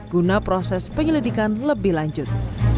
guna proses penyelidikan lebih lanjut